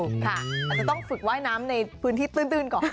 อาจจะต้องฝึกว่ายน้ำในพื้นที่ตื้นก่อน